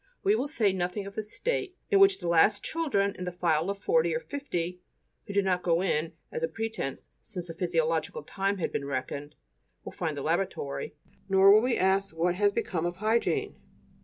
We will say nothing of the state in which the last children in the file of forty or fifty (who did not go in as a pretence, since the 'physiological time' had been reckoned) will find the lavatory; nor will we ask what has become of hygiene.